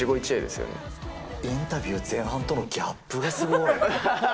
インタビュー前半とのギャップがすごい。